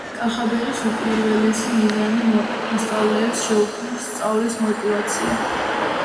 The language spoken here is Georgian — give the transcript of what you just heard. კახაბერის უპირველესი მიზანია მოსწავლეებს შეუქმნას სწავლის მოტივაცია